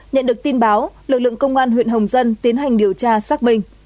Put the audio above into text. nhận được tin báo lực lượng công an huyện hồng dân tiến hành điều tra xác minh